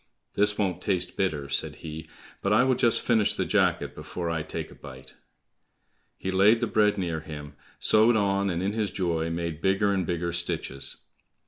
"This won't taste bitter," said he, "but I will just finish the jacket before I take a bite." He laid the bread near him, sewed on, and in his joy, made bigger and bigger stitches.